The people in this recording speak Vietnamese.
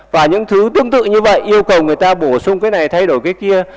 và những thứ tương tự như vậy yêu cầu người ta bổ sung cái này thay đổi cái kia